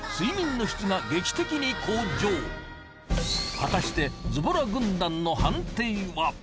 果たしてズボラ軍団の判定は？